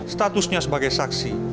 statusnya sebagai saksi